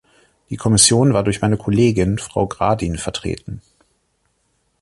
Die Kommission war durch meine Kollegin, Frau Gradin, vertreten.